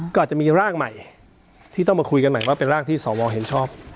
ก็อาจจะมีร่างใหม่ที่ต้องมาคุยกันใหม่ว่าเป็นร่างที่สวเห็นชอบ